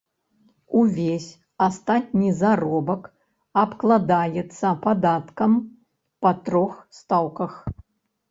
Увесь астатні заробак абкладаецца падаткам па трох стаўках.